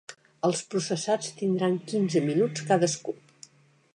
Els processats tindran quinze minuts cadascú.